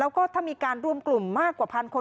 แล้วก็ถ้ามีการรวมกลุ่มมากกว่าพันคน